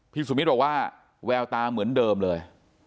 สุมิตรบอกว่าแววตาเหมือนเดิมเลย